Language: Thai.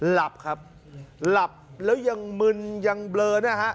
หลับครับหลับแล้วยังมึนยังเบลอนะฮะ